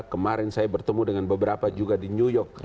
kemarin saya bertemu dengan beberapa juga di new york